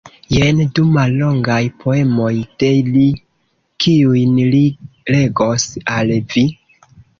Jen du mallongaj poemoj de li, kiujn li legos al vi.